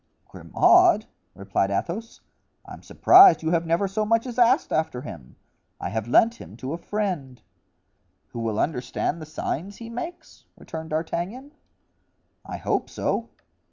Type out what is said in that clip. "Grimaud!" replied Athos. "I'm surprised you have never so much as asked after him. I have lent him to a friend——" "Who will understand the signs he makes?" returned D'Artagnan. "I hope so."